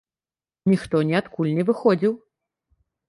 Ніхто ніадкуль не выходзіў.